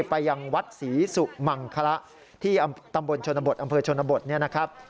ไปยังวัดศรีสุมังคละที่ตำบลชนบทอำเภอชนบทเนี่ยนะครับ